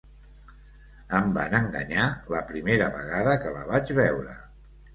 Em van enganyar la primera vegada que la vaig veure.